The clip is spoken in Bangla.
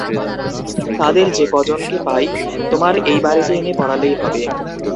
তাদের যে-কজনকে পাই তোমার এই বাড়িতে এনে পড়ালেই হবে।